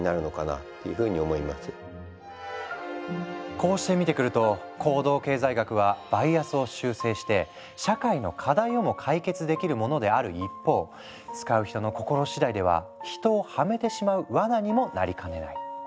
こうして見てくると行動経済学はバイアスを修正して社会の課題をも解決できるものである一方使う人の心しだいでは人をはめてしまうわなにもなりかねない。